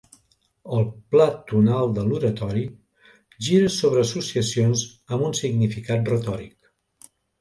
El pla tonal de l'oratori gira sobre associacions amb un significat retòric.